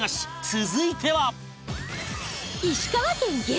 続いては